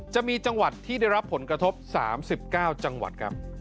จะมีจังหวัดที่ได้รับผลกระทบ๓๙จังหวัดครับ